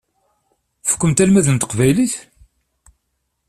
Tfukkemt almad n teqbaylit?